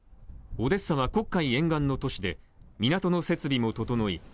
オデッサは黒海沿岸の都市で港の設備も整い